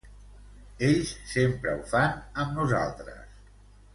Ells sempre ho fan amb nosaltres.